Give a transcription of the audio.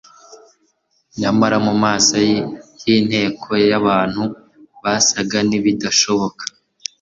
Nyamara mu maso y'inteko y'abantu byasaga n'ibidashoboka